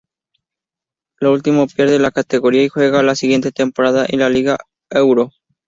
Lo último pierde la categoría y juega la siguiente temporada en la Liga Ouro.